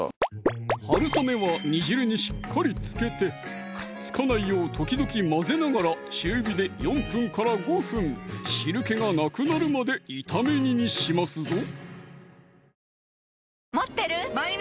はるさめは煮汁にしっかり浸けてくっつかないよう時々混ぜながら中火で４５分汁気がなくなるまで炒め煮にしますぞ！